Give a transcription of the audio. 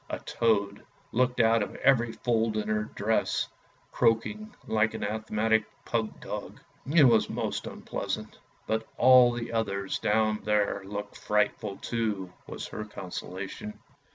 A toad looked out of every fold in her dress, croaking like an asthmatic pug dog. It was most unpleasant. " But all the others down here look frightful too," was her consolation.